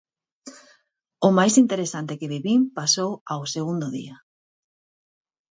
O máis interesante que vivín pasou ao segundo día.